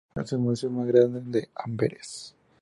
Es el museo más grande de Amberes.